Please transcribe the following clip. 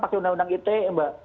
pakai undang undang ite mbak